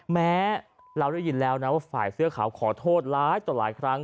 แม้เราได้ยินแล้วนะว่าฝ่ายเสื้อขาวขอโทษหลายต่อหลายครั้ง